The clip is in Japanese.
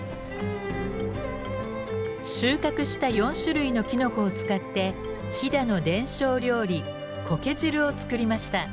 収穫した４種類のきのこを使って飛騨の伝承料理こけ汁を作りました。